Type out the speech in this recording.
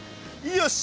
よし！